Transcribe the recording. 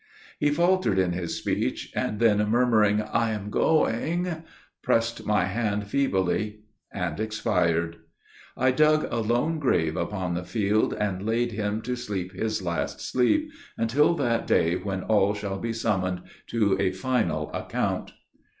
He faltered in his speech, and then murmuring, "I am going," pressed my hand feebly and expired. I dug a lone grave upon the field, and laid him to "sleep his last sleep," until that day when all shall be summoned to a final account.